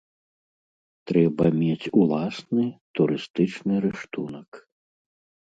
Трэба мець уласны турыстычны рыштунак.